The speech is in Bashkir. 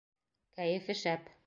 Кәйефе шәп.